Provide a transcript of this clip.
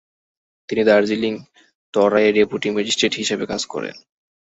তিনি দার্জিলিং তরাইয়ে deputy magistrate হিসেবে কাজ করেন।